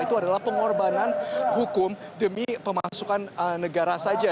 itu adalah pengorbanan hukum demi pemasukan negara saja